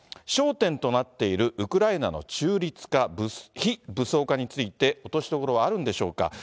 焦点となっているウクライナの中立化、非武装化について落としどころはあるんでしょうか。